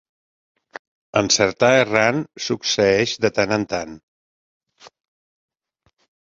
Encertar errant succeeix de tant en tant.